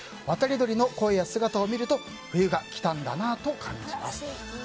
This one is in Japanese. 渡り鳥の声や姿を見ると冬が来たんだなと感じます。